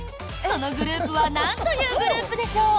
そのグループはなんというグループでしょう？